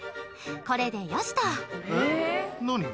これでよしと！